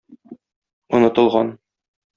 Онытылган...